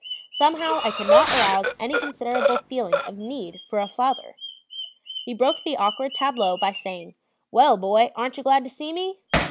Somehow I could not arouse any considerable feeling of need for a father. He broke the awkward tableau by saying: "Well, boy, aren't you glad to see me?"